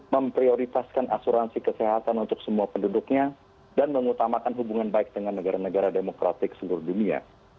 memprioritaskan asuransi kesehatan untuk semua penduduknya dan mengutamakan hubungan baik dengan negara negara demokratik seluruh dunia